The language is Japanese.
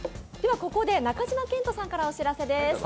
ここで中島健人さんからお知らせです。